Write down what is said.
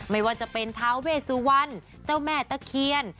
ไม่ว่าจะเป็นทาเวสุวรรณเจ้าแม่ตะเคียน